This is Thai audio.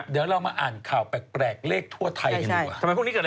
เดี๋ยวเอามาอ่านข่าวแปลกรายความเลขทั่วไทยหนึ่ง